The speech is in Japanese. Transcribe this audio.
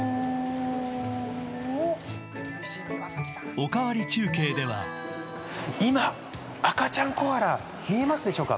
「おかわり中継」では今、赤ちゃんコアラ、見えますでしょうか。